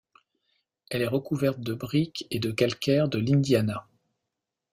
Elle est recouverte de briques et de calcaire de l'Indiana.